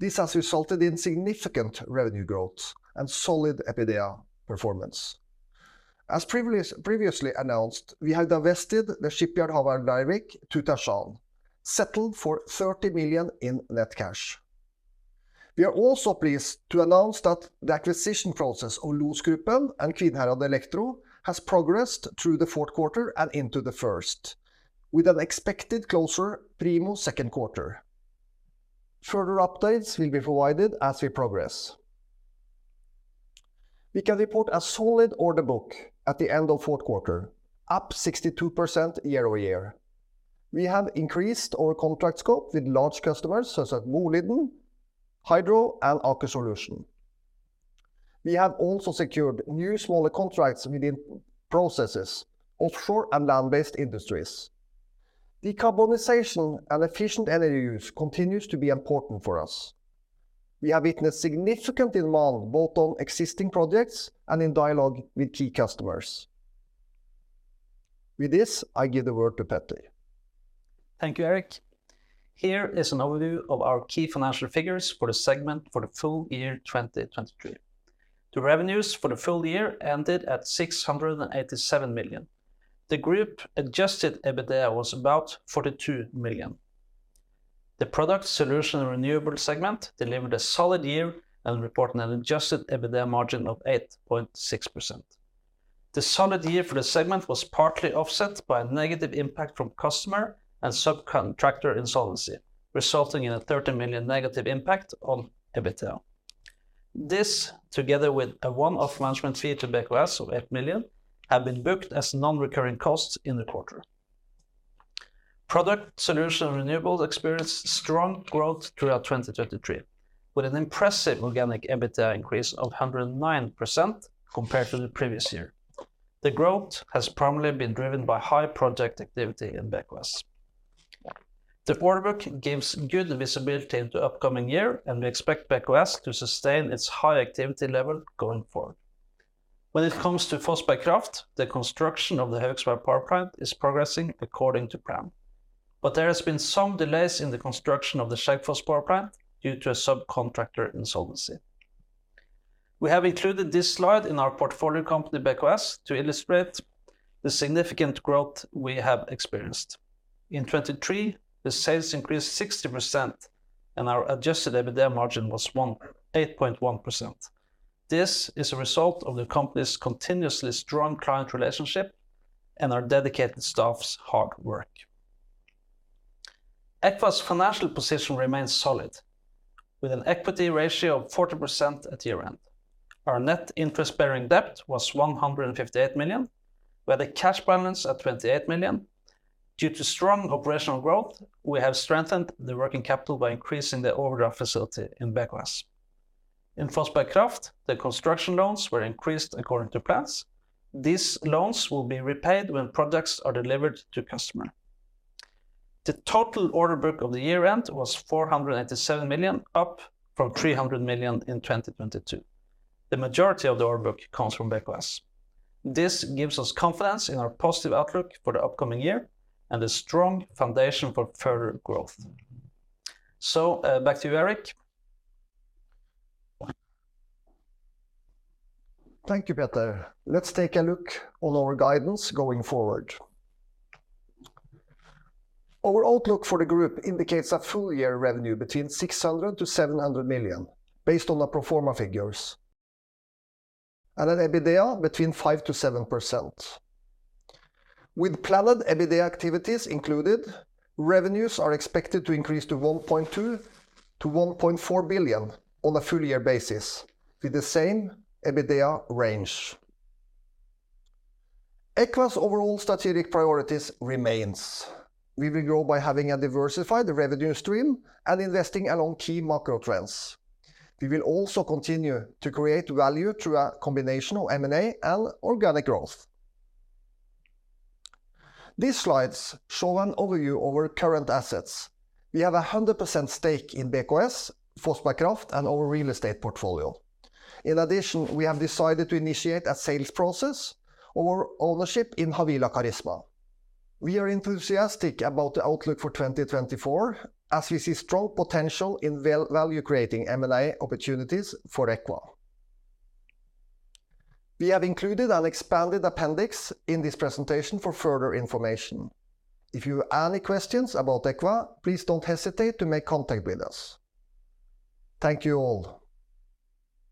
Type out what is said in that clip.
This has resulted in significant revenue growth and solid EBITDA performance. As previously announced, we have divested the shipyard Havyard Leirvik to Tersan, settled for 30 million in net cash. We are also pleased to announce that the acquisition process of LOS Gruppen and Kvinnherad Elektro has progressed through the fourth quarter and into the first, with an expected closure primo second quarter. Further updates will be provided as we progress. We can report a solid order book at the end of fourth quarter, up 62% year-over-year. We have increased our contract scope with large customers such as Boliden, Hydro, and Aker Solutions. We have also secured new smaller contracts within processes, offshore and land-based industries. Decarbonization and efficient energy use continues to be important for us. We have witnessed significant demand both on existing projects and in dialogue with key customers. With this, I give the word to Petter. Thank you, Erik. Here is an overview of our key financial figures for the segment for the full year 2023. The revenues for the full year ended at 687 million. The group adjusted EBITDA was about 42 million. The product, solution, and renewable segment delivered a solid year and reported an adjusted EBITDA margin of 8.6%. The solid year for the segment was partly offset by a negative impact from customer and subcontractor insolvency, resulting in a 30 million negative impact on EBITDA. This, together with a one-off management fee to BKS of 8 million, have been booked as non-recurring costs in the quarter. Product, solution, and renewables experienced strong growth throughout 2023, with an impressive organic EBITDA increase of 109% compared to the previous year. The growth has primarily been driven by high project activity in BKS. The order book gives good visibility into the upcoming year, and we expect BKS to sustain its high activity level going forward. When it comes to Fossberg Kraft, the construction of the Høgset Power Plant is progressing according to plan, but there have been some delays in the construction of the Skjeggefoss Power Plant due to a subcontractor insolvency. We have included this slide in our portfolio company, BKS, to illustrate the significant growth we have experienced. In 2023, the sales increased 60%, and our adjusted EBITDA margin was 8.1%. This is a result of the company's continuously strong client relationship and our dedicated staff's hard work. Eqva's financial position remains solid, with an equity ratio of 40% at year-end. Our net interest-bearing debt was 158 million, with a cash balance of 28 million. Due to strong operational growth, we have strengthened the working capital by increasing the overdraft facility in BKS. In Fossberg Kraft, the construction loans were increased according to plans. These loans will be repaid when projects are delivered to customers. The total order book of the year-end was 487 million, up from 300 million in 2022. The majority of the order book comes from BKS. This gives us confidence in our positive outlook for the upcoming year and a strong foundation for further growth. Back to you, Erik. Thank you, Petter. Let's take a look on our guidance going forward. Our outlook for the group indicates a full-year revenue between 600 million-700 million, based on our pro forma figures, and an EBITDA between 5%-7%. With planned EBITDA activities included, revenues are expected to increase to 1.2 billion-1.4 billion on a full-year basis, with the same EBITDA range. Eqva's overall strategic priorities remain. We will grow by having a diversified revenue stream and investing along key macro trends. We will also continue to create value through a combination of M&A and organic growth. These slides show an overview of our current assets. We have a 100% stake in BKS, Fossberg Kraft, and our real estate portfolio. In addition, we have decided to initiate a sales process over ownership in Havila Kystruten. We are enthusiastic about the outlook for 2024 as we see strong potential in value-creating M&A opportunities for Eqva. We have included an expanded appendix in this presentation for further information. If you have any questions about Eqva, please don't hesitate to make contact with us. Thank you all.